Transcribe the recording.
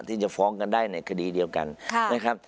ที่จะฟ้องกันได้ในคดีเดียวกันนะครับ